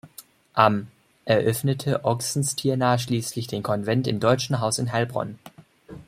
Am eröffnete Oxenstierna schließlich den Konvent im Deutschen Haus in Heilbronn.